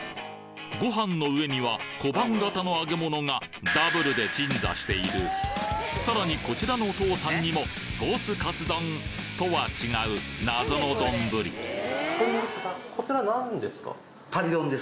ご飯の上には小判形の揚げ物がダブルで鎮座しているさらにこちらのお父さんにもソースカツ丼とは違う謎の丼え！？